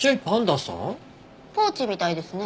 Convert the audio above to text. ポーチみたいですね。